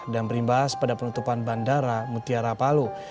dan berimbas pada penutupan bandara mutiara palu